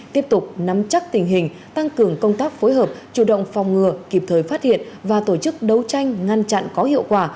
tiếp tục nắm chắc tình hình tăng cường công tác phối hợp chủ động phòng ngừa kịp thời phát hiện và tổ chức đấu tranh ngăn chặn có hiệu quả